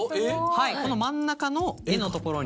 はいこの真ん中の絵の所に。